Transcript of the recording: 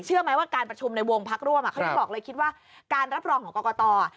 ไหมว่าการประชุมในวงพักร่วมเขายังบอกเลยคิดว่าการรับรองของกรกต